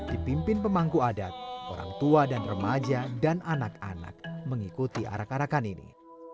dipimpin pemangku adat orang tua dan remaja dan anak anak mengikuti arak arakan ini